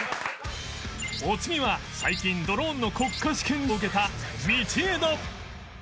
お次は最近ドローンの国家試験を受けた道枝